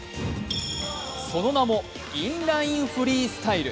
その名も、インライン・フリースタイル。